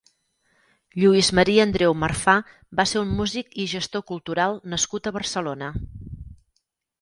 Lluis María Andreu Marfà va ser un músic i gestor cultural nascut a Barcelona.